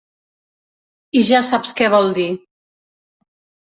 I ja saps què vol dir.